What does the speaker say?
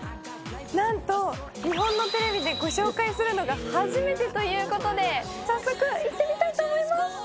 なんと日本のテレビで紹介するのが初めてということで早速いってみたいと思います。